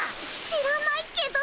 知らないけど。